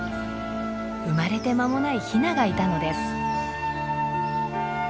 生まれて間もないヒナがいたのです。